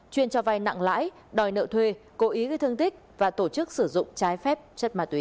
chuyên cho vay nặng lãi đòi nợ thuê cố ý gây thương tích và tổ chức sử dụng trái phép chất ma túy